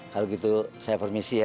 kalau gitu saya permisi ya